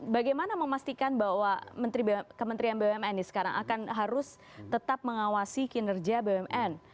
bagaimana memastikan bahwa kementerian bumn ini sekarang akan harus tetap mengawasi kinerja bumn